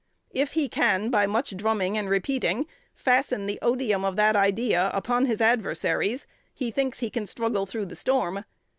If he can, by much drumming and repeating, fasten the odium of that idea upon his adversaries, he thinks he can struggle through the storm.